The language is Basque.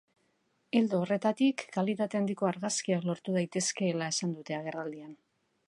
Ildo horretatik, kalitate handiko argazkiak lortu daitezkeela esan dute agerraldian.